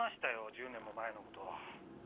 １０年も前の事は。